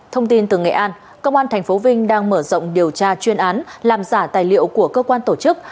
thông tin từ nghệ an công an tp vinh đang mở rộng điều tra chuyên án làm giả tài liệu của cơ quan tổ chức